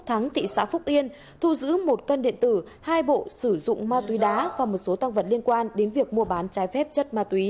hãy đăng ký kênh để ủng hộ kênh của chúng mình nhé